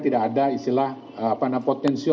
tidak ada istilah apa namanya potensi